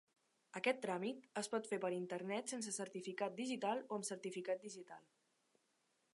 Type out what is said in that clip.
Aquest tràmit es pot fer per internet sense certificat digital o amb certificat digital.